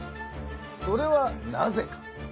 それはなぜか？